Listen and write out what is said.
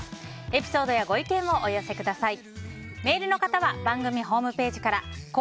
エピソードやご意見をお寄せください。